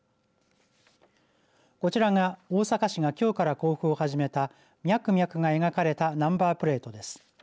こちらが大阪市がきょうから交付を始めたミャクミャクが描かれたナンバープレートです。